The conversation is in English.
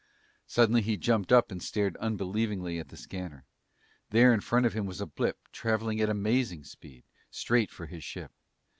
Suddenly he jumped up and stared unbelievingly at the scanner. There in front of him was a blip, traveling at amazing speed, straight for his ship.